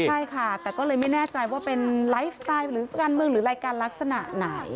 ใช่ค่ะแต่ก็เลยไม่แน่ใจว่าเป็นไลฟ์สไตล์หรือการเมืองหรือรายการลักษณะไหน